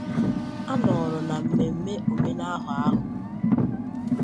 A nọrọ na mmemme omenahọ ahụ